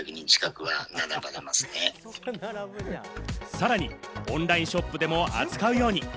さらにオンラインショップでも扱うように。